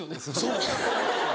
そう。